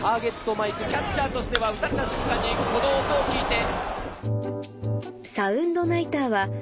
キャッチャーとしては打たれた瞬間にこの音を聞いて。